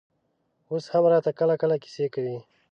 اوس هم راته کله کله کيسې کوي.